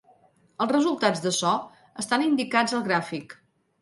Els resultats d'açò estan indicats al gràfic.